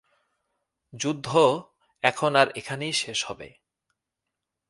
যুদ্ধ এখন আর এখানেই শেষ হবে!